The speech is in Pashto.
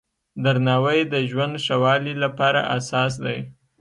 درناوی د ژوند ښه والي لپاره اساس دی.